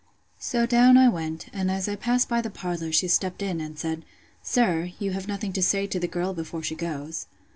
So down I went, and as I passed by the parlour, she stepped in, and said, Sir, you have nothing to say to the girl before she goes?